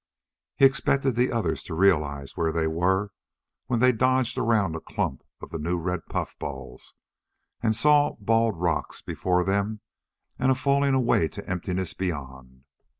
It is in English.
He expected the others to realize where they were when they dodged around a clump of the new red puffballs and saw bald rock before them and a falling away to emptiness beyond.